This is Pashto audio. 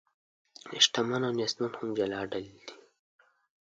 شتمن او نیستمن هم جلا ډلې دي.